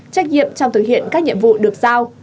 trách nhiệm trong thực hiện các nhiệm vụ được giao